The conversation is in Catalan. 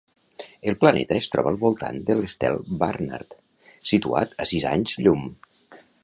El planeta es troba al voltant de l'estel Barnard, situat a sis anys llum.